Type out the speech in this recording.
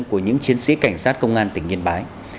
của những chiến sĩ cảnh sát công an tỉnh yên bái